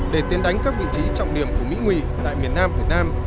để tiến đánh các vị trí trọng điểm của mỹ nguy tại miền nam việt nam